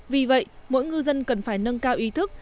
vì vậy mỗi ngư dân cần phải nâng cao ý thức